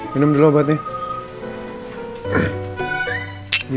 minum dulu obatnya